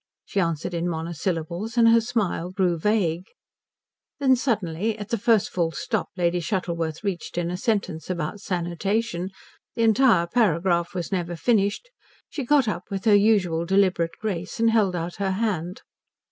She answered in monosyllables, and her smile grew vague. Then suddenly, at the first full stop Lady Shuttleworth reached in a sentence about sanitation the entire paragraph was never finished she got up with her usual deliberate grace, and held out her hand.